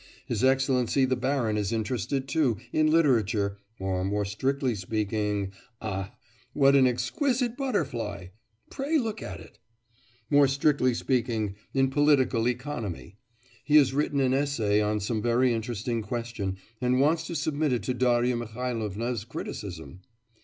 His Excellency the baron is interested, too, in literature, or more strictly speaking ah! what an exquisite butterfly! pray look at it! more strictly speaking, in political economy. He has written an essay on some very interesting question, and wants to submit it to Darya Mihailovna's criticism.